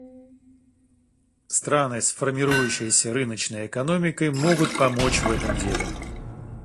Страны с формирующейся рыночной экономикой могут помочь в этом деле.